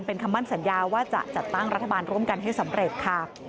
เป็นคำมั่นสัญญาว่าจะจัดตั้งรัฐบาลร่วมกันให้สำเร็จค่ะ